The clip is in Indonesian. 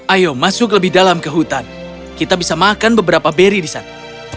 ayo masuk lebih dalam ke hutan kita bisa makan beberapa beri di sana